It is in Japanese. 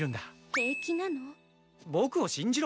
「平気なの？」